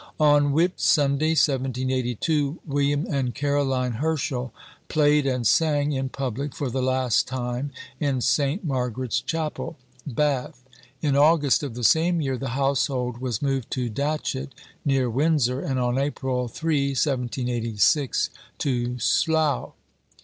On Whit Sunday 1782, William and Caroline Herschel played and sang in public for the last time in St. Margaret's Chapel, Bath; in August of the same year the household was moved to Datchet, near Windsor, and on April 3, 1786, to Slough.